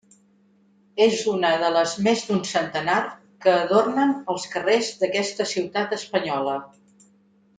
És una de les més d'un centenar que adornen els carrers d'aquesta ciutat espanyola.